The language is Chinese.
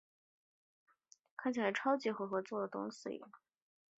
看起来是超级适合合作的东西